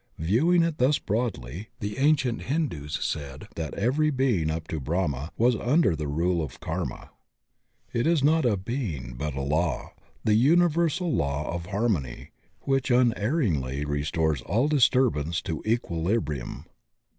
Viewing it thus broadly, the ancient Hindus said that every being up to Brahma was under the rule of Karma. It is not a being but a law, the universal law of har 90 THE OCEAN OF THEOSOPHY mony which unerringly restores all disturbance to equiUbrium.